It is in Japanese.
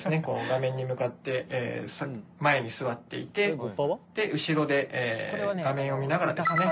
画面に向かって前に座っていて後ろで画面を見ながらですね